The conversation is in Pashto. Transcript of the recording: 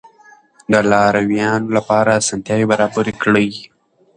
د لارويانو لپاره اسانتیاوې برابرې کړئ.